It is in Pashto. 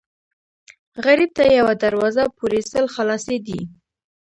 غریب ته یوه دروازه پورې سل خلاصې دي